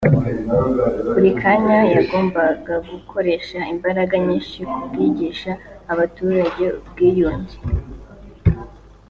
buri kanya yagombagagukoresha imbaraga nyinshi mu kwigisha abaturage ubwiyunge